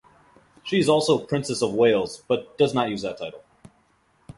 She is also Princess of Wales but does not use that title.